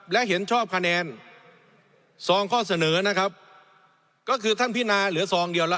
และเห็นชอบคะแนนซองข้อเสนอนะครับก็คือท่านพินาเหลือซองเดียวละ